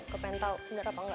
ke pentau bener apa enggak